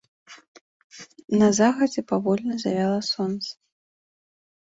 На захадзе павольна завяла сонца.